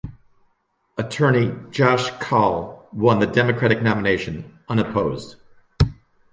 Attorney Josh Kaul won the Democratic nomination unopposed.